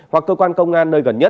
hoặc cơ quan công an nơi gần nhất